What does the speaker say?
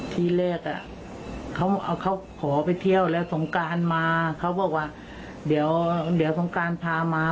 ทีแรกเขาขอไปเที่ยวแล้วสงการมาเขาบอกว่าเดี๋ยวสงการพามา